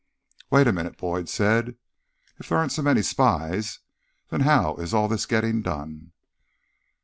"Wait a minute," Boyd said. "If there aren't so many spies, then how is all this getting done?"